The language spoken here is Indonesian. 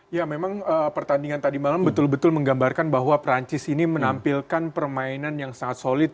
ya memang pertandingan tadi malam betul betul menggambarkan bahwa perancis ini menampilkan permainan yang sangat solid